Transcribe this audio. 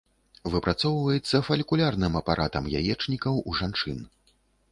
Выпрацоўваецца фалікулярным апаратам яечнікаў у жанчын.